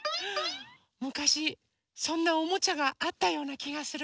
むかしそんなおもちゃがあったようなきがする。